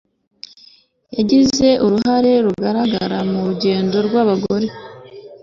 yagize uruhare rugaragara mu rugendo rw'abagore